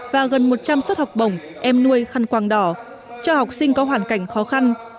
và gần một trăm linh suất học bổng em nuôi khăn quàng đỏ cho học sinh có hoàn cảnh khó khăn